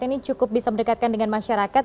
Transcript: ini cukup bisa mendekatkan dengan masyarakat